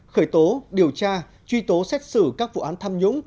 khởi tố điều tra truy tố xét xử các vụ án tham nhũng